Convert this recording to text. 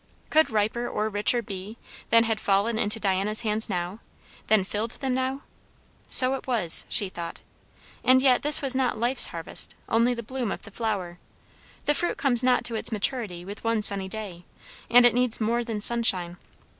Could riper or richer be, than had fallen into Diana's hands now? than filled them now? So it was, she thought. And yet this was not life's harvest, only the bloom of the flower; the fruit comes not to its maturity with one sunny day, and it needs more than sunshine.